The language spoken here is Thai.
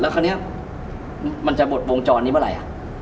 คราวนี้มันจะหมดวงจรนี้เมื่อไหร่